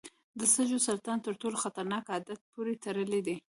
د سږو سرطان تر ټولو خطرناک عادت پورې تړلی دی.